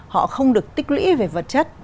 họ không được tích lũy về vật chất